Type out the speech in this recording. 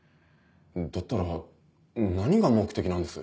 だったら何が目的なんです？